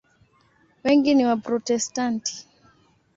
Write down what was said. Wengi ni Waprotestanti.